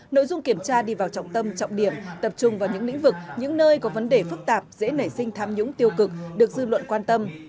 nội dung kiểm tra đi vào trọng tâm trọng điểm tập trung vào những lĩnh vực những nơi có vấn đề phức tạp dễ nảy sinh tham nhũng tiêu cực được dư luận quan tâm